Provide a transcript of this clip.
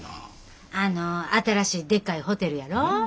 あの新しいでっかいホテルやろ？